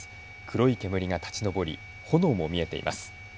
黒い煙が立ち上り炎も見えています。